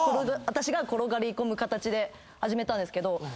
私が転がり込む形で始めたんですけど。